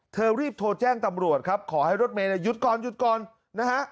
เธอรีบโทรแจ้งตำรวจครับขอให้รถเมล์น่ะหยุดก่อนนะฮะ